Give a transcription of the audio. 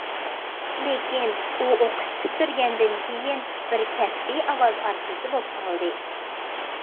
لېكىن، ئۇ ئوقۇش پۈتتۈرگەندىن كېيىن، بىر كەسپىي ئاۋاز ئارتىسى بولۇپ قالدى.